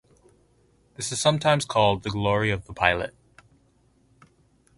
This is sometimes called "The Glory of the Pilot".